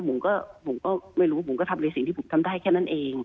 บุ๋มก็ไม่รู้บุ๋มก็ทำเลยสิ่งที่บุ๋มทำได้แค่นั้นเอง